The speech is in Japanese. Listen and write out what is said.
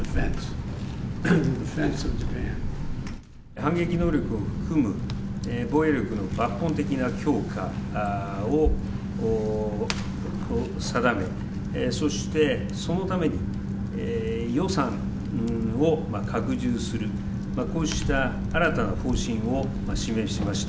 反撃能力を含む防衛力の抜本的な強化を定め、そしてそのために予算を拡充する、こうした新たな方針を示しました。